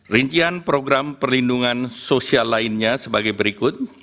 rincian program perlindungan sosial lainnya sebagai berikut